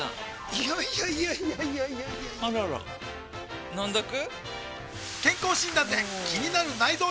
いやいやいやいやあらら飲んどく？